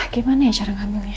gimana ya cara ngambilnya